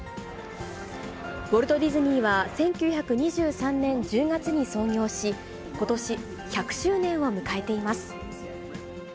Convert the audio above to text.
ウォルト・ディズニーは、１９２３年１０月に創業し、ことし１００周年を迎えています。